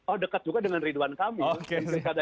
oh dekat juga dengan ridwan kamil